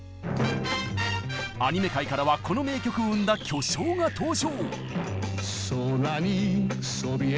アニメ界からはこの名曲を生んだ巨匠が登場！